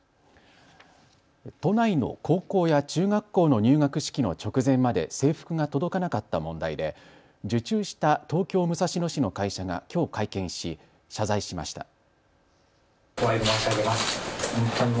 都内の高校や中学校の入学式の直前まで制服が届かなかった問題で受注した東京武蔵野市の会社がきょう会見し、謝罪しました。